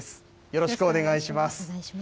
よろしくお願いします。